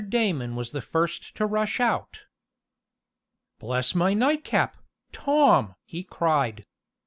Damon was the first to rush out. "Bless my nightcap, Tom!" he cried.